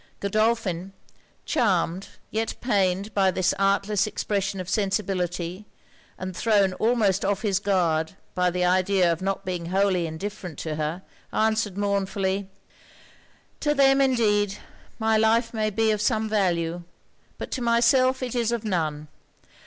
Godolphin, charmed yet pained by this artless expression of sensibility, and thrown almost off his guard by the idea of not being wholly indifferent to her, answered mournfully 'To them, indeed, my life may be of some value; but to myself it is of none.